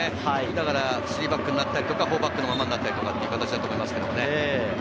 だから３バックになったり、４バックのままになったりっていうことだと思いますけどね。